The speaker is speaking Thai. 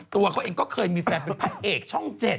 ตัวเขาเองก็เคยมีแฟนเป็นพระเอกช่อง๗